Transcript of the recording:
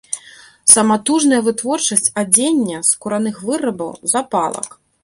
Саматужная вытворчасць адзення, скураных вырабаў, запалак.